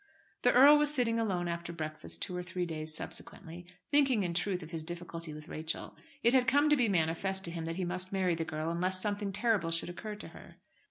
The earl was sitting alone after breakfast two or three days subsequently, thinking in truth of his difficulty with Rachel. It had come to be manifest to him that he must marry the girl unless something terrible should occur to her.